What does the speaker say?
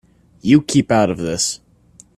You keep out of this.